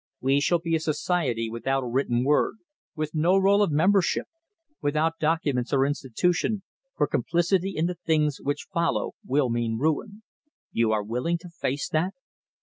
We shall be a society without a written word, with no roll of membership, without documents or institution, for complicity in the things which follow will mean ruin. You are willing to face that?"